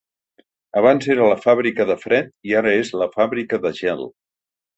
Abans era La fàbrica de fred i ara és La fàbrica de gel.